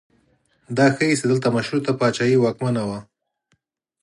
دا ښیي چې دلته مشروطه پاچاهي واکمنه وه.